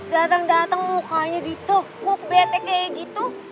datang datang mukanya ditukuk betek kayak gitu